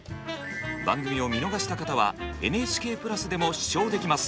番組を見逃した方はＮＨＫプラスでも視聴できます。